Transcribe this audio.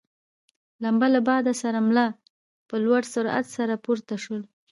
لمبه له باده سره مله په لوړ سرعت سره پورته شول.